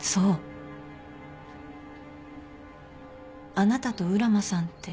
あなたと浦真さんって。